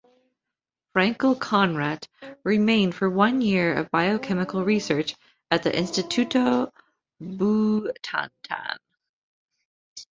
Frankel-Conrat remained for one year of biochemical research at the Instituto Butantan.